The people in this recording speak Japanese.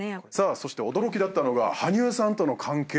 そして驚きだったのが羽生さんとの関係。